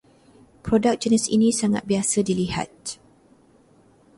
Produk jenis ini sangat biasa dilihat